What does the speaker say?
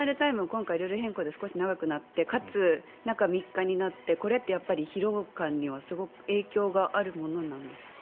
今回、ルール変更で少し長くなってかつ、中３日になってこれってやっぱり疲労感にはすごく影響があるものなんですか。